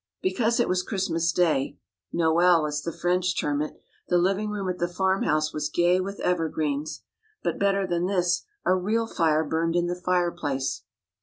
Because it was Christmas day, Noel as the French term it, the living room at the farmhouse was gay with evergreens. But better than this, a real fire burned in the fireplace.